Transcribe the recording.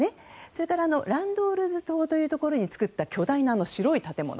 それからランドールズ島に作った巨大な白い建物。